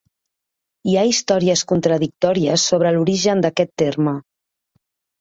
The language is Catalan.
Hi ha històries contradictòries sobre l'origen d'aquest terme.